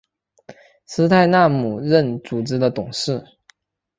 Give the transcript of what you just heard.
斯泰纳姆任组织的董事。